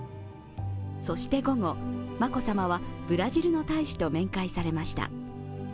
そして午後、眞子さまはブラジルの大使と面会されました。